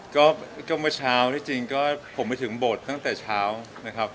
ก็วันเช้าก็จริงผมไม่ถึงบทตั้งแต่เช้านะครับ